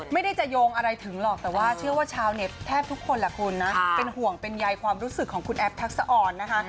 ไม่ได้จะโยงอะไรถึงหรอกแต่ว่าเชื่อว่าชาวเน็ตแทบทุกคนแหละคุณนะเป็นห่วงเป็นใยความรู้สึกของคุณแอฟทักษะอ่อนนะคะ